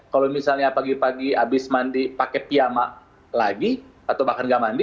kalau misalnya pagi pagi abis mandi pakai piyama lagi atau bahkan nggak mandi